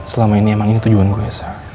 selama ini emang ini tujuan gue esa